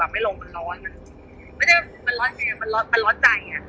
มันร้อนไม่ใช่ว่ามันร้อนแม่มันร้อนใจ